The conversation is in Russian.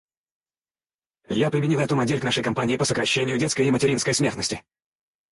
Я применил эту модель к нашей кампании по сокращению детской и материнской смертности.